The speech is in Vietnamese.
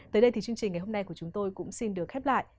tới đây thì chương trình ngày hôm nay của chúng tôi cũng xin được khép lại